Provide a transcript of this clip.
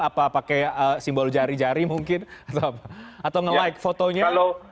apa pakai simbol jari jari mungkin atau nge like fotonya